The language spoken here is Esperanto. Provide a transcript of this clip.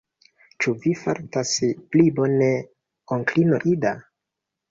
Ĉu vi fartas pli bone, onklino Ida?